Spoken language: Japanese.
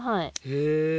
へえ。